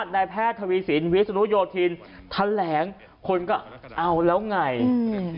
นายแพทย์ทวีสินวิศนุโยธินแถลงคนก็เอาแล้วไงอืม